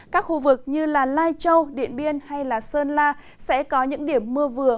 các khu vực như lai châu điện biên hay sơn la sẽ có những điểm mưa vừa